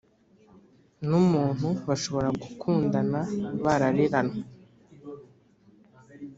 numuntu bashobora gukundana barareranwe